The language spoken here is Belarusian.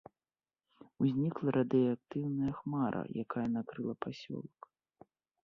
Узнікла радыеактыўная хмара, якая накрыла пасёлак.